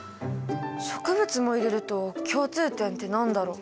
植物も入れると共通点って何だろう？